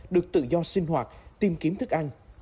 được tự do sinh hoạt tìm kiếm thức ăn